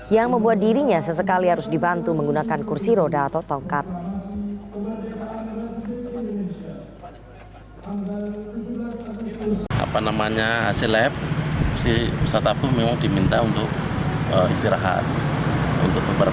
yang membuat dirinya sesekali harus dibantu menggunakan kursi roda atau tongkat